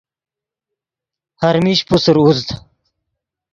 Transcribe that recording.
ہر میش پوسر اُوزد